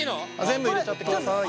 全部入れちゃってください。